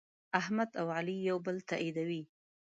احمد او علي یو بل تأییدوي.